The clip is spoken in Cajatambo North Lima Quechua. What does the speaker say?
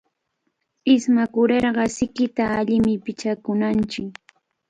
Ismakurirqa sikita allimi pichakunanchik.